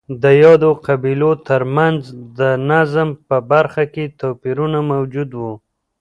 د یادو قبیلو ترمنځ د نظم په برخه کې توپیرونه موجود وو